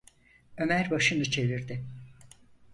Ömer başını çevirdi.